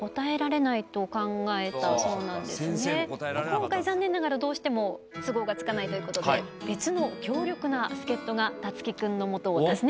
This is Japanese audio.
今回残念ながらどうしても都合がつかないということで別の強力な助っ人が樹生くんのもとを訪ねました。